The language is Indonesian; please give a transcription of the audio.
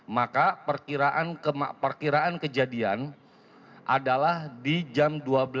maka perkiraan kejadian adalah di jam dua belas